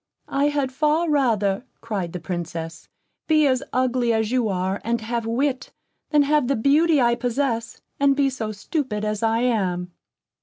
"I had far rather," cried the Princess, "be as ugly as you are, and have wit, than have the beauty I possess, and be so stupid as I am."